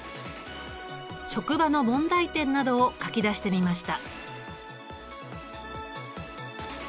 職場の問題点などを書き出してみました。